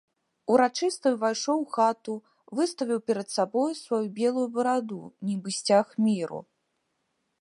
Урачыста ўвайшоў у хату, выставіў перад сабою сваю белую бараду, нібы сцяг міру.